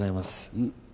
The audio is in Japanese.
うん。